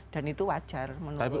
dan itu wajar menurut saya